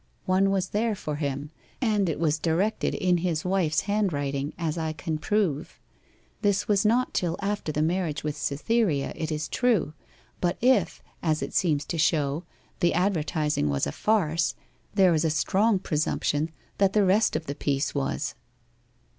One was there for him, and it was directed in his wife's handwriting, as I can prove. This was not till after the marriage with Cytherea, it is true, but if (as it seems to show) the advertising was a farce, there is a strong presumption that the rest of the piece was.